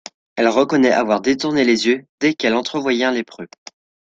Elle reconnaît avoir détourné les yeux dès qu'elle entrevoyait un lépreux.